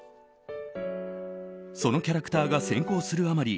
そのキャラクターが先行するあまり